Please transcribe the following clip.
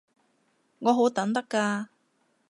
我好等得㗎